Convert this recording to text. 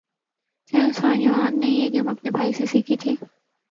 چین سان یوان نے یہ گیم اپنے بھائی سے سیکھی تھی